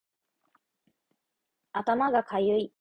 頭がかゆい